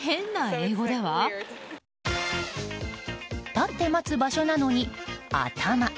立って待つ場所なのに「頭」。